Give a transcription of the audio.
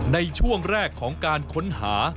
ในช่วงแรกของการค้นหา